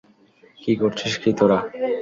কী করছিস কী তোরা?